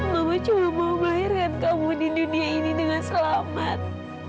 mama cuma mau melahirkan kamu di dunia ini dengan selamat